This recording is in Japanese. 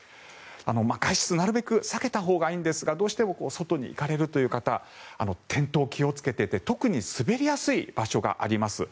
外出、なるべく避けたほうがいいんですがどうしても外に行かれるという方転倒に気をつけて特に滑りやすい場所があります。